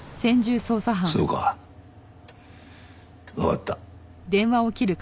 そうかわかった。